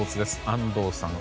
安藤さん。